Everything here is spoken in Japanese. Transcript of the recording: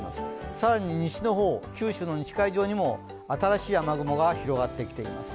さらに西の方、九州の西海上にも新しい雨雲が出ています。